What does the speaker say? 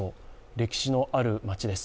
歴史のある街です。